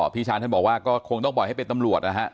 พี่ชาญท่านบอกว่าก็คงต้องปล่อยให้เป็นตำรวจนะฮะ